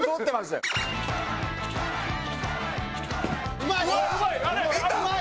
うまい！